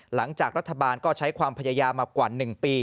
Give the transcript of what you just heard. หลังจากรัฐบาลก็ใช้ความพยายามมากว่า๑ปี